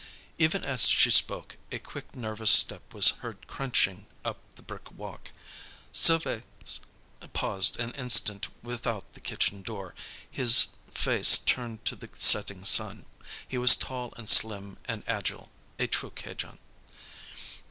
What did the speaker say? Even as she spoke a quick nervous step was heard crunching up the brick walk. Sylves' paused an instant without the kitchen door, his face turned to the setting sun. He was tall and slim and agile; a true 'cajan.